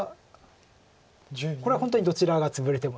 これは本当にどちらがツブれても。